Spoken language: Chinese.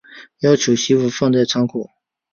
要求媳妇放在仓库